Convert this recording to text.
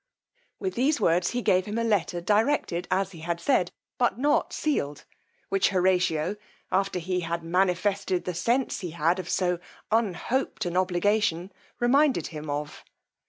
With these words he gave him a letter directed, as he had said, but not sealed, which Horatio, after he had manifested the sense he had of so unhoped an obligation, reminded him of.